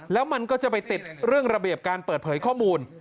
แล้วมันก็จะไปติดเรื่องระเบียบการเปิดเผยข้อมูล